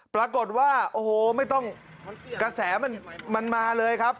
ปรากฏว่าโอ้โหไม่ต้องกระแสมันมาเลยครับ